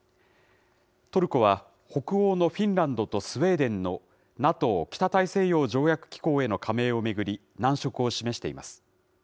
トルコは北欧のフィンランドとスウェーデンのＮＡＴＯ・北大西洋条約機構への加盟を巡り、難色を示しています。